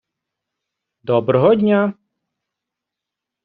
доброго дня!